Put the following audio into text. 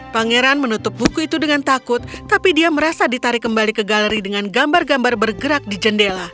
pangeran menutup buku itu dengan takut tapi dia merasa ditarik kembali ke galeri dengan gambar gambar bergerak di jendela